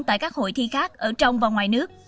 tại các hội thi khác ở trong và ngoài nước